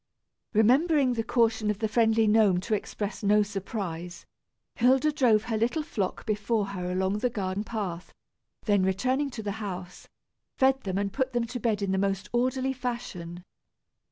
Remembering the caution of the friendly gnome to express no surprise, Hilda drove her little flock before her along the garden path, then returning to the house, fed them and put them to bed in the most orderly fashion.